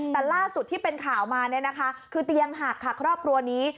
แต่ล่าสุดที่เป็นข่าวมาคือเตียงหักครอบครัวนี้